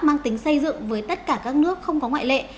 mang tính xây dựng với tất cả các nước không có ngoại lệ